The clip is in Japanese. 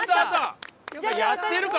やってるか？